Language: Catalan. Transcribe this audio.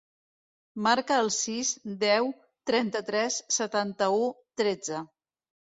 Marca el sis, deu, trenta-tres, setanta-u, tretze.